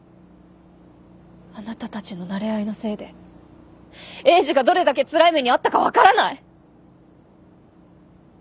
あなたたちのなれ合いのせいでエイジがどれだけつらい目に遭ったか分からない？